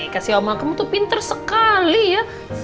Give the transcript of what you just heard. kasih omah kamu tuh pinter sekali ya